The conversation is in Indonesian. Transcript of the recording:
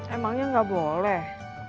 emangnya gak boleh